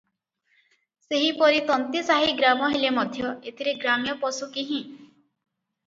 ସେହିପରି ତନ୍ତୀସାହି ଗ୍ରାମ ହେଲେ ମଧ୍ୟ ଏଥିରେ ଗ୍ରାମ୍ୟ ପଶୁ କିହିଁ ।